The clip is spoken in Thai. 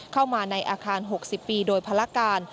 เข้ามาในอาคาร๖๐ปีโดยภารการ